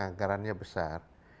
itu anggarannya besar